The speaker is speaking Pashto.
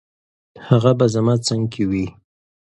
هغه به زما څنګ کې وي.